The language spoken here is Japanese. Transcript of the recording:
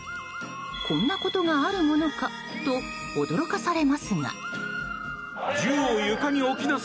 こんなことがあるものかと驚かされますが。